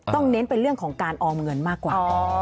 เน้นเป็นเรื่องของการออมเงินมากกว่า